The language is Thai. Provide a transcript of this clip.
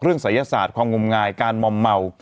เรื่องศัยศาสตร์ความงมงายการมอมเมล